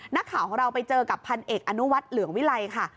นักข่าวของเราไปเจอกับพันเอกอนุวัฒน์เหลืองวิลัยค่ะ